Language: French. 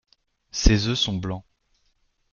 Ses œufs sont blancs.